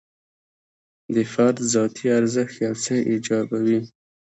د فرد ذاتي ارزښت یو څه ایجابوي.